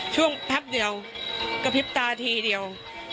ช่วงพักเดียวกระพริบตาทีเดียว